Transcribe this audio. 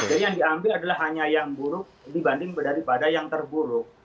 jadi yang diambil adalah hanya yang buruk dibanding daripada yang terburuk